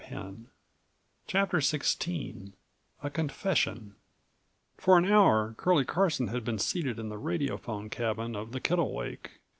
160 CHAPTER XVIA CONFESSION For an hour Curlie Carson had been seated in the radiophone cabin of the Kittlewake.